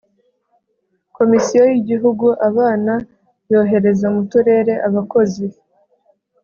Komisiyo y’Igihugu abana yohereza mu Turere abakozi